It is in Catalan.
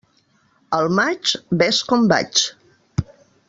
Al maig, vés com vaig.